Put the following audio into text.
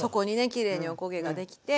きれいにおこげができて。